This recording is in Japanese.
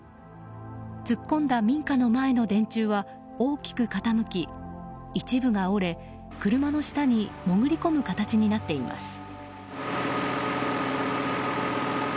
突っ込んだ民家の前の電柱は大きく傾き一部が折れ、車の下にもぐり込む形になっています。